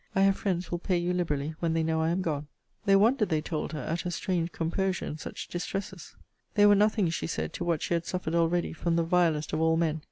I have friends will pay you liberally, when they know I am gone. They wondered, they told her, at her strange composure in such distresses. They were nothing, she said, to what she had suffered already from the vilest of all men.